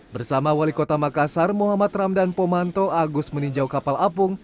bersama wali kota makassar muhammad ramdan pomanto agus meninjau kapal apung